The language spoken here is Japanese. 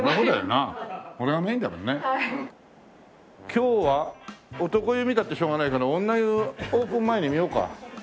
今日は男湯見たってしょうがないから女湯オープン前に見ようか。